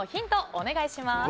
お願いします。